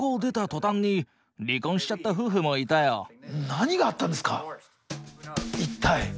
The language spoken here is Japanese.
何があったんですか一体。